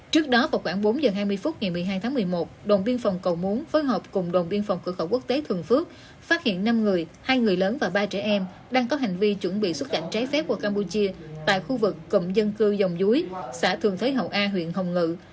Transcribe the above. trước đó vào khoảng bốn giờ hai mươi phút ngày một mươi hai tháng một mươi một đồn biên phòng cầu muốn phối hợp cùng đồn biên phòng cửa khẩu quốc tế thường phước phát hiện năm người hai người lớn và ba trẻ em đang có hành vi chuẩn bị xuất cảnh trái phép qua campuchia tại khu vực cụm dân cư dòng dưới xã thường thới hậu a huyện hồng ngự